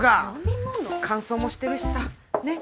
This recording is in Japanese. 乾燥もしてるしさねっ。